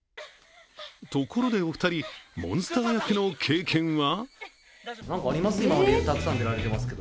ところでお二人、モンスター役の経験は？